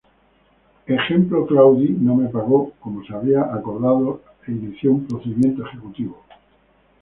Ejemplo Claudi no me pago, como se había acordado e inicio un procedimiento ejecutivo.